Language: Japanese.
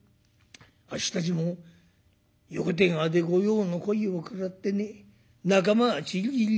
あっしたちも横田川で御用の狐疑を食らってね仲間はちりぢりに。